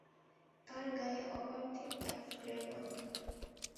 তার গায়ে অপার্থিব এক ফুলের গন্ধ।